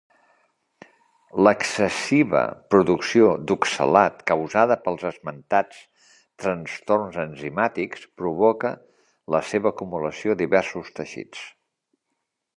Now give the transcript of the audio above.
L’excessiva producció d’oxalat causada pels esmentats trastorns enzimàtics provoca la seva acumulació a diversos teixits.